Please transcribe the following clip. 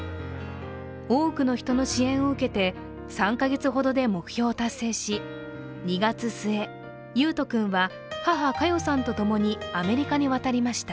多くの人の支援を受けて３か月ほどで目標を達成し２月末、維斗君は母・加代さんとともにアメリカに渡りました。